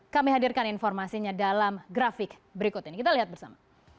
kami hadirkan informasinya dalam grafik berikut ini kita lihat bersama